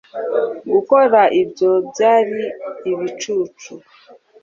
gukora ibyo byari ibicucu